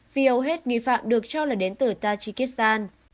vì hầu hết nghi phạm được cho là đến từ tajikistan